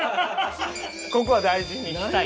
ここは大事にしたい。